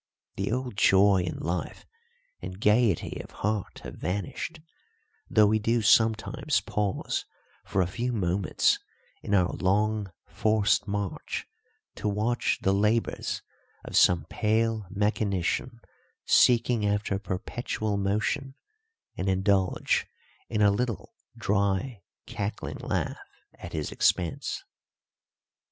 The old joy in life and gaiety of heart have vanished, though we do sometimes pause for a few moments in our long forced march to watch the labours of some pale mechanician seeking after perpetual motion and indulge in a little dry, cackling laugh at his expense.